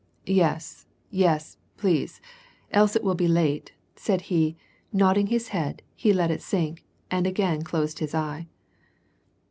" Yes, yes, please, else it will be late," said he, nodding his head, he let it sink, and again closed his eye.